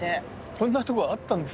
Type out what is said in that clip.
こんなとこあったんですか？